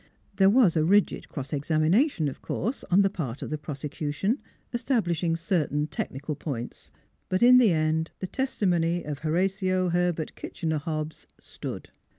There was a rigid cross examination, of course, on the part of the prose cution, establishing certain technical points. But in the end the testimony of Horatio Herbert Kitchener Hobbs stood.